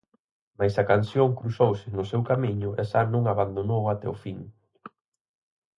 Mais a canción cruzouse no seu camiño e xa non abandonou até o fin.